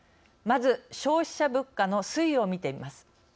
まず消費者物価の推移を見てみます。